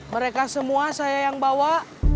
mereka semua saya yang bawa